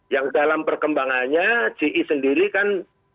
yang dalam perkembangannya ji sendiri kan